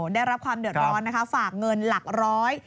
ได้รับความเดือดร้อนนะคะฝากเงินหลักร้อย